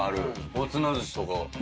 おつな寿司とか。